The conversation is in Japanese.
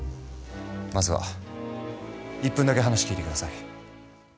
まずは１分だけ話聞いて下さい。